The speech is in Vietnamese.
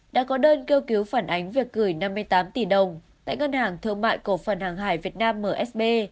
đã có đơn kêu cứu phản ánh việc gửi năm mươi tám tỷ đồng tại ngân hàng thương mại cổ phần hàng hải việt nam msb